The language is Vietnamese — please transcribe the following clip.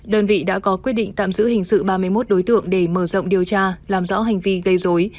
đơn vị đã có quyết định tạm giữ hình sự ba mươi một đối tượng để mở rộng điều tra làm rõ hành vi gây dối